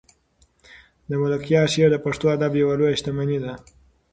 د ملکیار شعر د پښتو ادب یوه لویه شتمني ده.